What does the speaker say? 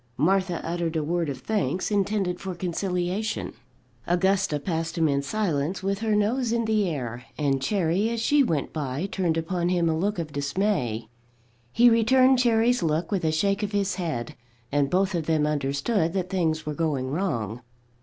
Martha uttered a word of thanks, intended for conciliation; Augusta passed him in silence with her nose in the air; and Cherry, as she went by, turned upon him a look of dismay. He returned Cherry's look with a shake of his head, and both of them understood that things were going wrong.